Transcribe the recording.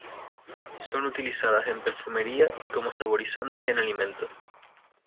Son utilizadas en perfumería y como saborizantes en alimentos.